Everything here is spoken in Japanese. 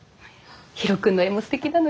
ヒロ君の絵もすてきなのよ。